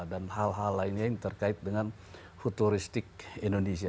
dan hal hal lainnya yang terkait dengan futuristik indonesia